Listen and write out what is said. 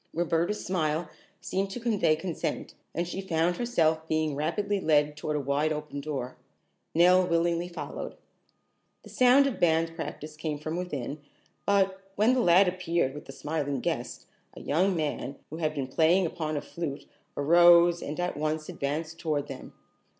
Roberta's smile seemed to convey consent, and she found herself being rapidly led toward a wide open door. Nell willingly followed. The sound of band practice came from within, but, when the lad appeared with the smiling guest, a young man, who had been playing upon a flute, arose and at once advanced toward them.